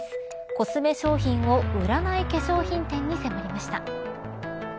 コスメ商品を売らない化粧品店に迫りました。